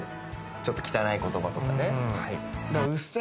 ちょっと汚い言葉とかね。